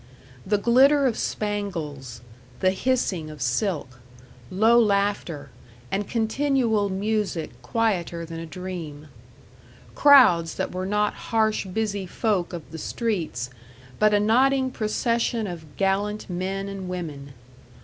The glitter of spangles, the hissing of silk, low laughter, and continual music quieter than a dream. Crowds that were not harsh busy folk of the streets, but a nodding procession of gallant men and women.